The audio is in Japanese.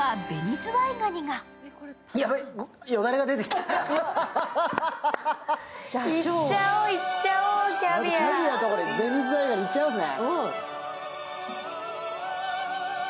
ズワイガニいっちゃいますね。